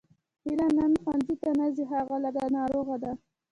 هیله نن ښوونځي ته نه ځي هغه لږه ناروغه ده